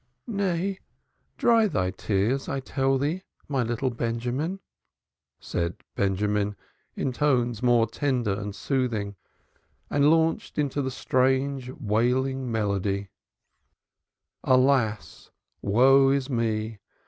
"Nay, dry thy tears, I tell thee, my little Benjamin," said Benjamin, in tones more tender and soothing, and launched into the strange wailing melody: "Alas, woe is me!